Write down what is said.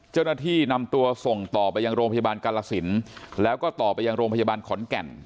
เจ้าหน้าที่นำตัวส่งต่อไปยังโรงพยาบาลกาลสินแล้วก็ต่อไปยังโรงพยาบาลขอนแก่น